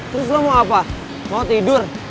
terus lo mau apa mau tidur